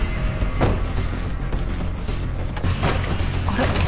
あれ？